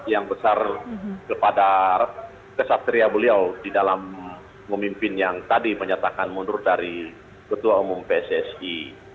yang besar kepada kesatria beliau di dalam memimpin yang tadi menyatakan mundur dari ketua umum pssi